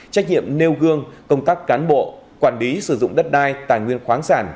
trách nhiệm nêu gương công tác cán bộ quản lý sử dụng đất đai tài nguyên khoáng sản